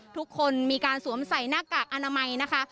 ทุกคนมีการสวมใส่หน้ากากอนามัยนะคะ